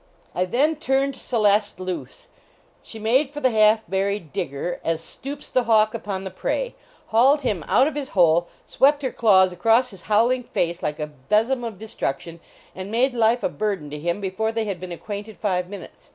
I then turned Celeste loose ; she made for the half buried Digger, as stoops the hawk upon the prey, hauled him out of his hole , swept her claws across his howling lace like a besom of destruction, and made life a bur den to him before they had been acquainted five minutes.